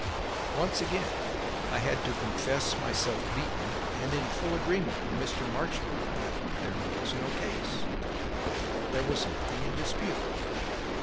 Once again I had to confess myself beaten and in full agreement with Mr. Marchmont that "there was no case"; that "there was nothing in dispute."